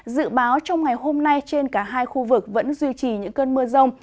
dự báo trong ngày hôm nay trên cả hai khu vực vẫn duy trì những cơn mưa rông